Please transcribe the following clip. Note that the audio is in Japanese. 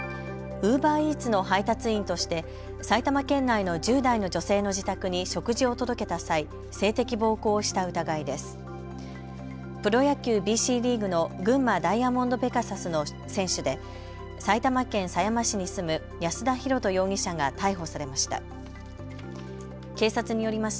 ウーバーイーツの配達員として埼玉県内の１０代の女性の自宅に食事を届けた際、性的暴行をした疑いです。